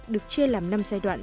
được chia làm năm giai đoạn